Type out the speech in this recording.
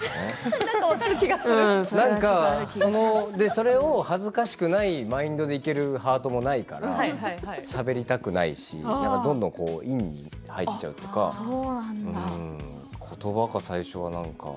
それを恥ずかしくないマインドでいけるハートもないからしゃべりたくないしどんどんインに入っちゃうというかことばが最初は、何か。